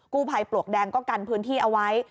กู้ภัยปลวกแดงก็กันพื้นที่เอาไว้